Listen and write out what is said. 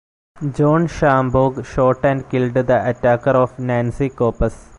John Shambaugh shot and killed the attacker of Nancy Copus.